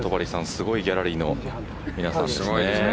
すごいギャラリーの皆さんですね。